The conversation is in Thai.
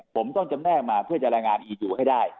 ผมต้องจำแนกมาเพื่อจะรายงานอียูให้ได้